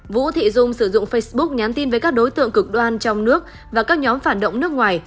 vũ thị dung sử dụng facebook nhắn tin với các đối tượng cực đoan trong nước và các nhóm phản động nước ngoài